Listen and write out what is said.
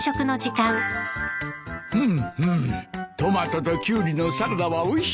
うんうんトマトとキュウリのサラダはおいしいな。